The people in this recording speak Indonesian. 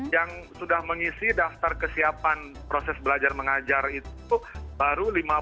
yang sudah mengisi daftar kesiapan proses belajar mengajar itu baru lima puluh tujuh